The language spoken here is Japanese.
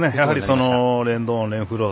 レンドーン、レンフロー